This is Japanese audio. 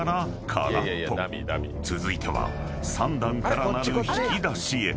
［続いては３段からなる引き出しへ］